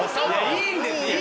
いいんですよ。